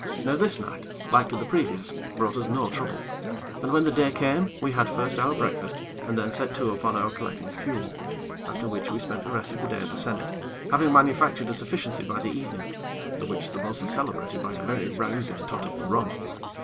Now this night, like to the previous, brought us no trouble; and when the day came, we had first our breakfast, and then set to upon our collecting of fuel, after which we spent the rest of the day at the sennit, having manufactured a sufficiency by the evening, the which the bo'sun celebrated by a very rousing tot of the rum.